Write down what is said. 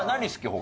他。